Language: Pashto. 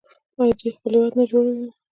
آیا دوی خپل هیواد نه جوړوي؟